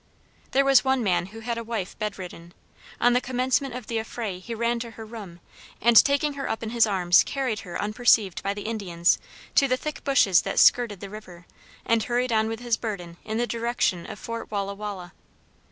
There was one man who had a wife bedridden. On the commencement of the affray he ran to her room, and, taking her up in his arms, carried her unperceived by the Indians to the thick bushes that skirted the river, and hurried on with his burden in the direction of Fort Walla Walla.